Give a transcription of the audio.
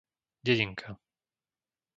Dedinka